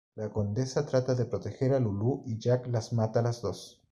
La Condesa trata de proteger a Lulú y Jack las mata a las dos.